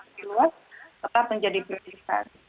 di luar tetap menjadi berlisih